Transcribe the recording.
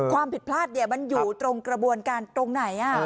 ความผิดพลาดมันอยู่ตรงกระบวนการตรงไหน